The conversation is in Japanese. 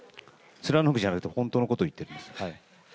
貫くじゃなくて、本当のことを言っています。